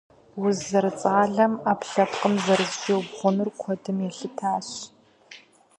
Уз зэрыцӀалэм Ӏэпкълъэпкъым зэрыщиубгъуныр куэдым елъытащ.